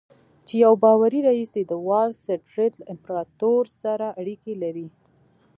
چې يو باوري رييس يې د وال سټريټ له امپراتور سره اړيکې لري.